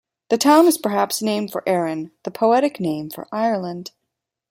The town was perhaps named for Erin, the poetic name for Ireland.